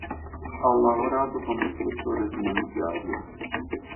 Ha lavorato come ispettore finanziario.